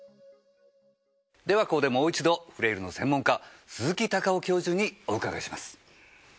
ではここでもう一度フレイルの専門家鈴木隆雄教授にお伺いします。